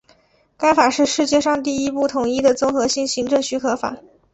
该法是世界上第一部统一的综合性行政许可法。